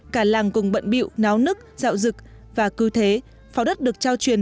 cả làng cùng bận biệu náo nức dạo dực và cư thế pháo đất được trao truyền